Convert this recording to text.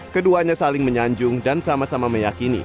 keduanya saling menyanjung dan sama sama meyakini